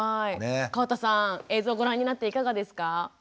川田さん映像をご覧になっていかがですか？